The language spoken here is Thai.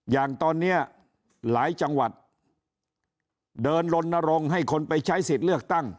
อย่างตอนนี้หลายจังหวัดเดินลนรงค์ให้คนไปใช้สิทธิ์เลือกตั้ง